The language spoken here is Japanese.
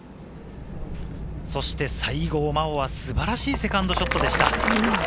そして西郷真央は素晴らしいセカンドショットでした。